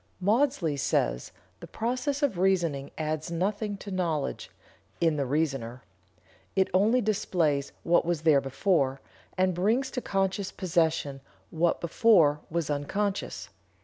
Maudsley says: "The process of reasoning adds nothing to knowledge (in the reasoner). It only displays what was there before, and brings to conscious possession what before was unconscious."